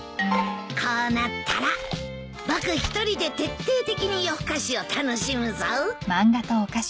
こうなったら僕一人で徹底的に夜更かしを楽しむぞ！